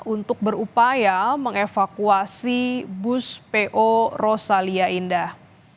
untuk berupaya mengevakuasi bus po rosalia indah